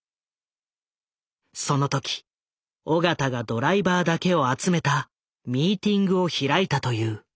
その時緒方がドライバーだけを集めたミーティングを開いたという。